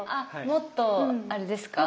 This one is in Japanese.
もっとあれですか？